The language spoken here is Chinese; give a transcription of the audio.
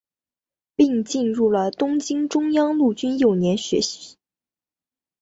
并进入了东京中央陆军幼年学校。